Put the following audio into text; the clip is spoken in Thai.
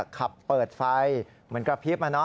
ขับเปิดไฟเหมือนกับพลิปมา